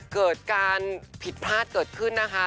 เกิดการผิดพลาดเกิดขึ้นนะคะ